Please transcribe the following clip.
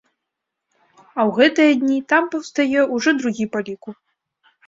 А ў гэтыя дні там паўстае ўжо другі па ліку.